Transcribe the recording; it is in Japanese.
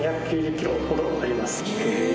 ２９０キロほどあります。